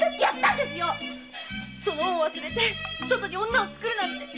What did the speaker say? その恩を忘れて外に女を作るなんて。